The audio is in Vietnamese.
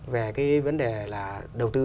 về cái vấn đề là đầu tư